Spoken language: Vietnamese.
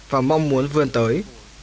và mong muốn vươn tới